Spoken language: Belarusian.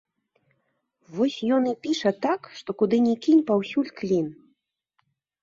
Вось, ён і піша так, што куды ні кінь, паўсюль клін.